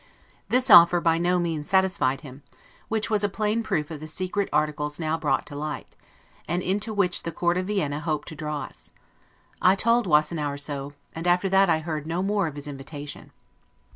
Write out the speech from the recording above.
This offer by no means satisfied him; which was a plain proof of the secret articles now brought to light, and into which the court of Vienna hoped to draw us. I told Wassenaer so, and after that I heard no more of his invitation.